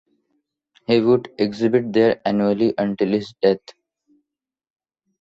He would exhibit there annually until his death.